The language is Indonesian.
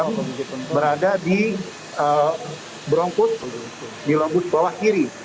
yang berada di berumput di rumput bawah kiri